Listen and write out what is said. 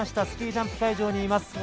スキージャンプ会場にいます。